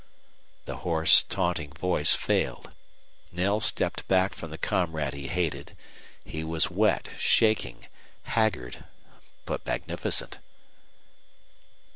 The hoarse, taunting voice failed. Knell stepped back from the comrade he hated. He was wet, shaking, haggard, but magnificent.